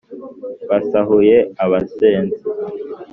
basahuye abasenzi